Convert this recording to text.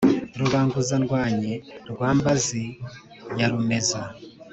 rubanguza-ndwanyi rwa mbazi ya rumeza,